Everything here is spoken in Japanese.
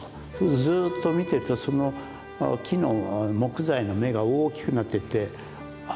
ずっと見てるとその木の木材の目が大きくなっていってああ